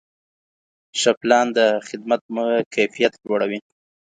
ښه پلان د خدمت کیفیت لوړوي.